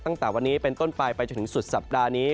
ตั้งแต่วันนี้เป็นต้นไปไปจนถึงสุดสัปดาห์นี้